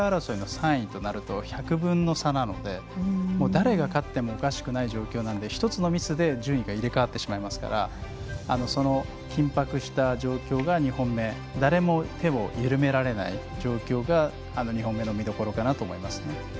メダル争いの３位となると１００分の差なので誰が勝ってもおかしくないので１つのミスで順位が入れ替ってしまいますからその緊迫の状況が２本目誰も手を緩められない状況が、２本目の見どころかなと思いますね。